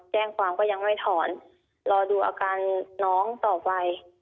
แจ้งความก็ยังไม่ถอนรอดูอาการน้องต่อไป